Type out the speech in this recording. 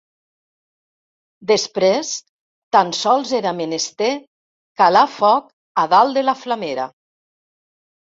Després, tan sols era menester calar foc a dalt de la flamera